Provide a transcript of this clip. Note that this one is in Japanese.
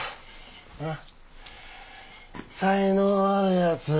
才能あるやつ